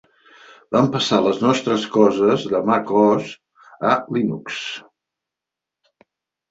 Vam passar les nostres coses de Mac OS a Linux.